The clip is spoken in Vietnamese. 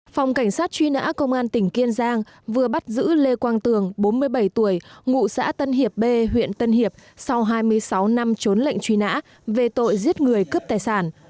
phòng cảnh sát truy nã công an tỉnh kiên giang vừa bắt giữ lê quang tường bốn mươi bảy tuổi ngụ xã tân hiệp b huyện tân hiệp sau hai mươi sáu năm trốn lệnh truy nã về tội giết người cướp tài sản